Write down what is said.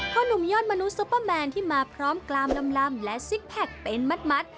หนุ่มยอดมนุษุปเปอร์แมนที่มาพร้อมกลามลำและซิกแพคเป็นมัด